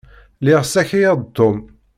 Lliɣ ssakayeɣ-d Tom.